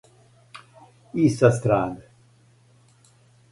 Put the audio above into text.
И са стране.